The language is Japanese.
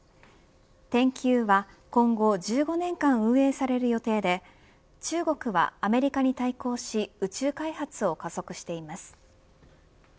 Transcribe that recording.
天宮は今後１５年間運営される予定で中国はアメリカに対抗し宇宙開発を加速しています。